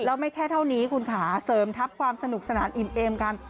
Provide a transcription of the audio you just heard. แล้วไม่แค่เท่านี้คุณค่ะเสริมทัพความสนุกสนานอิ่มเอมกัน